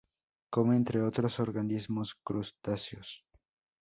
Come, entre otros organismos, crustáceos.